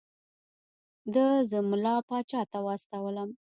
ده زه ملا پاچا ته واستولم.